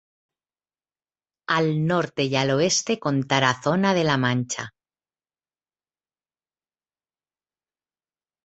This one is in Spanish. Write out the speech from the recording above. Al norte y al oeste con Tarazona de la Mancha.